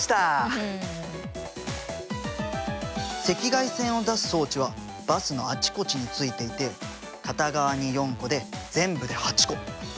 赤外線を出す装置はバスのあちこちについていて片側に４個で全部で８個。